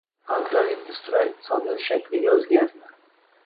Agrar-industrial iqtisodiyot shakliga oʻzgardi.